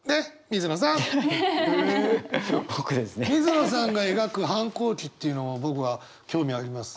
水野さんが描く反抗期っていうのは僕は興味あります。